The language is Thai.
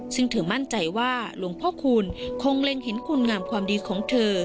ซึ่งเธอมั่นใจว่าหลวงพ่อคูณคงเล็งเห็นคุณงามความดีของเธอ